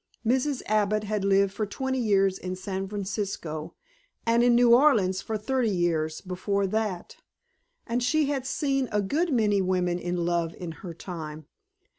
Mrs. Abbott had lived for twenty years in San Francisco, and in New Orleans for thirty years before that, and she had seen a good many women in love in her time.